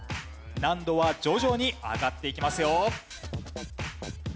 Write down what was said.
難度は徐々に上がっていきますよ。